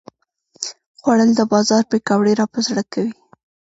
خوړل د بازار پکوړې راپه زړه کوي